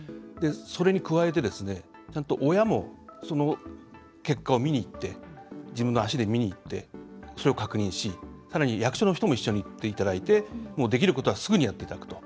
それに加えて、ちゃんと親もその結果を見に行って自分の足で見に行ってそれを確認し、さらに役所の人も一緒に来ていただいてできることはすぐにやっていくと。